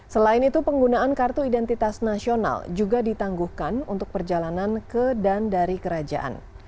selain itu penggunaan kartu identitas nasional juga ditangguhkan untuk perjalanan ke dan dari kerajaan